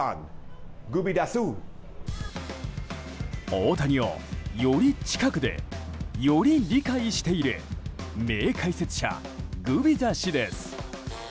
大谷を、より近くでより理解している名解説者、グビザ氏です。